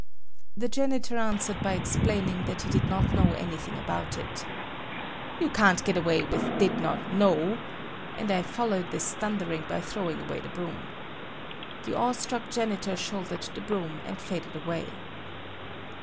The janitor answered by explaining that he did not know anything about it. "You can't get away with Did not know," and I followed this thundering by throwing away the broom. The awe struck janitor shouldered the broom and faded away.